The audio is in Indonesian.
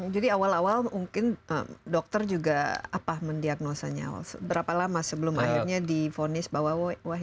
jadi awal awal mungkin dokter juga apa mendiagnosanya awal berapa lama sebelum akhirnya di vonis bahwa wahili lupus